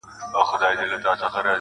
دا سړی گوره چي بيا څرنگه سرگم ساز کړي~